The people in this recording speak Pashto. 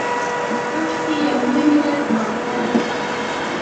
کاشکي یو لوی ملت کوترې